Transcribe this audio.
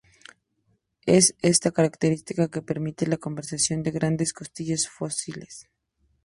Es esta característica que permite la conservación de grandes costillas fósiles.